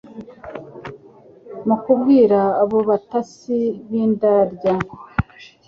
Mu kubwira abo batasi b'indyarya,